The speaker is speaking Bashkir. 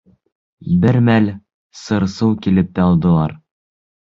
Бер мәл сыр-сыу килеп тә алдылар.